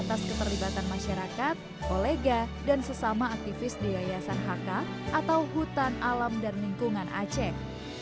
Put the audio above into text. atas keterlibatan masyarakat kolega dan sesama aktivis di yayasan hk atau hutan alam dan lingkungan aceh